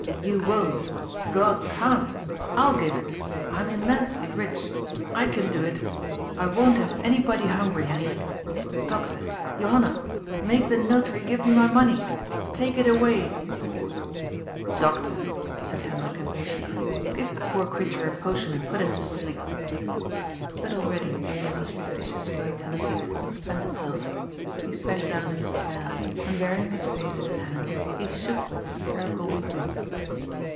You won't. God can't. I'll give it. I'm im mensely rich. I can do it. I won't have anybody hungry, Hendrik. Doctor, Johanna, make the Notary give me my money. Take it away !" "Doctor," said Hendrik impatiently, "give the poor creature a potion and put him to sleep." But already Elias's fictitious vitality had spent itself. He sank down in his chair, and burying his face in his hand, he shook with hysterical weeping.